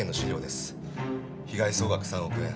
被害総額３億円。